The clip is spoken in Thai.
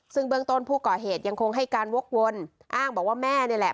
ซึ่งเบื้องต้นผู้ก่อเหตุยังคงให้การวกวนอ้างบอกว่าแม่นี่แหละ